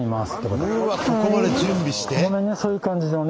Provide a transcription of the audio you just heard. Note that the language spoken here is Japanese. ここまで準備して？